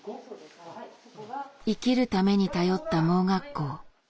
生きるために頼った盲学校。